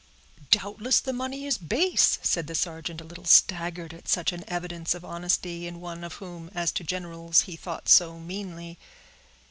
"Doubtless the money is base," said the sergeant, a little staggered at such an evidence of honesty in one of whom, as to generals, he thought so meanly.